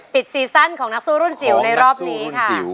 ซีซั่นของนักสู้รุ่นจิ๋วในรอบนี้ค่ะ